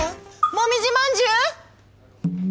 もみじまんじゅう？」